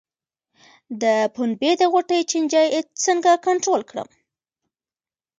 د پنبې د غوټې چینجی څنګه کنټرول کړم؟